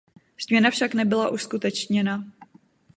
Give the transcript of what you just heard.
Změna však nebyla uskutečněna.